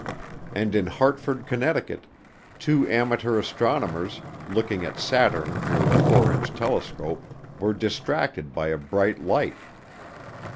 And in Hartford, Connecticut, two amateur astronomers, looking at Saturn through a 4 inch telescope, were distracted by a bright light.